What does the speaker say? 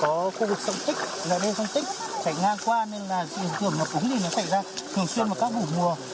có khu vực sông tích dài đê sông tích chảy ngang qua nên là sự ứng tưởng ngập búng thì nó xảy ra thường xuyên vào các vụ mùa